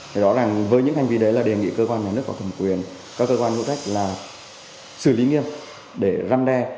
thì rõ ràng với những hành vi đấy là đề nghị cơ quan nhà nước có thẩm quyền các cơ quan có trách là xử lý nghiêm để răn đe